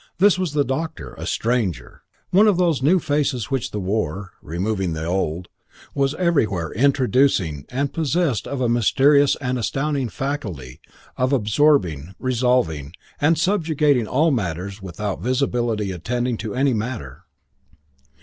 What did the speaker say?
This was the doctor, a stranger, one of those new faces which the war, removing the old, was everywhere introducing, and possessed of a mysterious and astounding faculty of absorbing, resolving, and subjugating all matters without visibly attending to any matter.